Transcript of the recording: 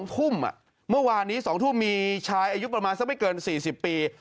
๒ทุ่มเมื่อวานนี้๒ทุ่มมีชายอายุประมาณสักไม่เกิน๔๐ปี